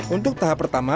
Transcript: untuk tahap pertama